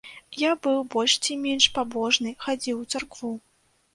Я быў больш ці менш пабожны, хадзіў у царкву.